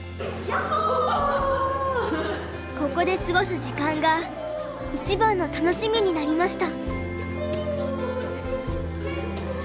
ここで過ごす時間がいちばんの楽しみになりました。